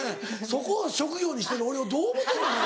そこを職業にしてる俺をどう思ってんの？